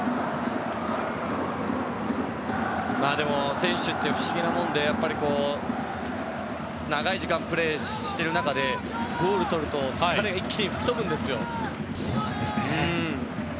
でも、選手って不思議なもので長い時間プレーしてる中でゴールを取ると疲れが一気に吹き飛ぶんですよ。